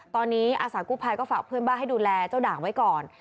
ตอนนี้อาสากู้ภัยก็ฝากเพื่อนบ้านให้ดูแลเจ้าด่างไว้ก่อน